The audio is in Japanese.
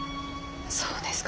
そうですか。